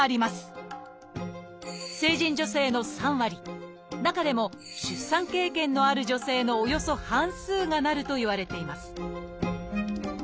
成人女性の３割中でも出産経験のある女性のおよそ半数がなるといわれています